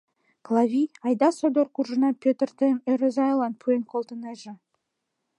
Клавий, айда содор куржына Пӧтыр тыйым Ӧрӧзӧйлан пуэн колтынеже.